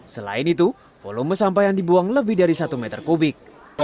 selain itu volume sampah yang dibuang lebih dari satu meter kubik